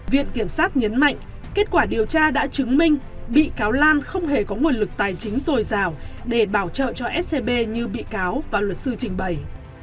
viện kiểm sát nhấn mạnh kết quả điều tra đã chứng minh bị cáo lan không hề có nguồn lực tài chính dồi dào để bảo trợ cho scb như bị cáo và luật sư trình bày